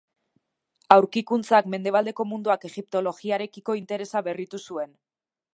Aurkikuntzak, mendebaldeko munduak egiptologiarekiko interesa berritu zuen.